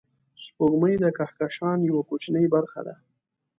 سپوږمۍ د کهکشان یوه کوچنۍ برخه ده